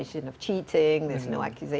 tidak ada penyakit untuk menjadi kebosan